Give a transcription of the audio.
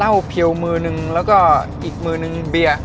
แล้วก็อีกมือหนึ่งเบียร์